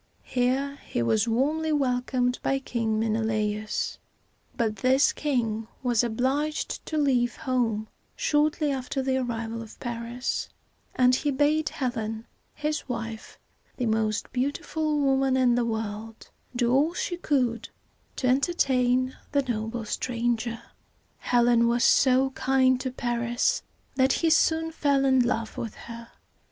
Here he was warmly welcomed by King Men e la´us; but this king was obliged to leave home shortly after the arrival of Paris, and he bade Helen, his wife, the most beautiful woman in the world, do all she could to entertain the noble stranger. Helen was so kind to Paris that he soon fell in love with her.